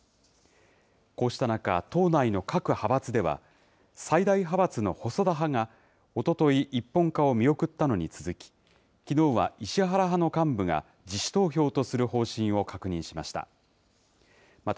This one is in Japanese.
こうした中、党内の各派閥では、最大派閥の細田派がおととい、一本化を見送ったのに続き、きのうは石原派の幹部が自主投票とする方針を確認しました。